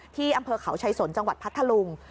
ที่อำเภอเขาชายสนจังหวัดพัทธลุง